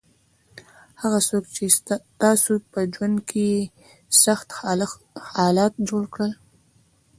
هغه څوک چې تاسو په ژوند کې یې سخت حالات جوړ کړل.